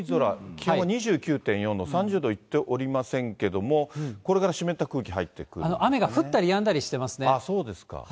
気温２９．４度、３０度いっておりませんけども、雨が降ったりやんだりしてまそうですか。